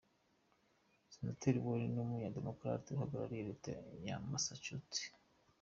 Senateri Warren ni umu- démocrate uhagarariye Leta ya Massachusetts.